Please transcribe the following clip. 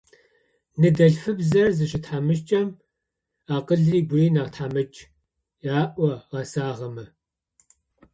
Ныдэлъфыбзэр зыщытхьамыкӏэм акъылри гури нахь тхьамыкӏ,- аӏо гъэсагъэмэ.